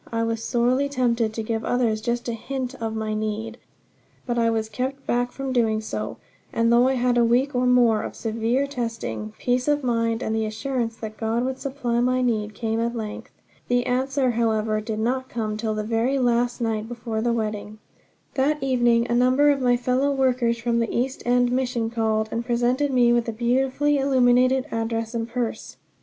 I was sorely tempted to give others just a hint of my need. But I was kept back from doing so; and though I had a week or more of severe testing, peace of mind and the assurance that God would supply my need, came at length. The answer, however, did not come till the very last night before the wedding. That evening a number of my fellow workers from the East End Mission called, and presented me with a beautifully illuminated address and a purse.